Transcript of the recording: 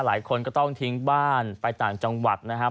หลายคนก็ต้องทิ้งบ้านไปต่างจังหวัดนะครับ